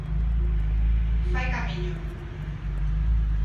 Fai camiño.